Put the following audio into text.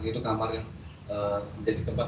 itu kamar yang menjadi tempat